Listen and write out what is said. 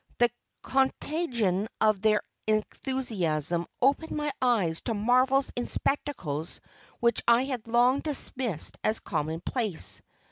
The contagion of their enthusiasm opened my eyes to marvels in spectacles which I had long dismissed as commonplace.